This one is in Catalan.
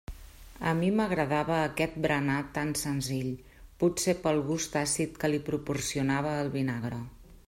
A mi m'agradava aquest berenar tan senzill, potser pel gust àcid que li proporcionava el vinagre.